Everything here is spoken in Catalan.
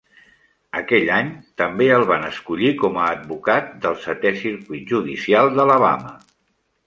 Aquell any, també el van escollir com a advocat del setè Circuit Judicial d'Alabama.